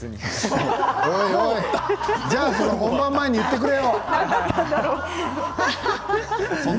それなら本番前に言ってくれよ。